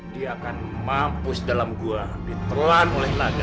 dia akan mampus dalam gua ditelan oleh naga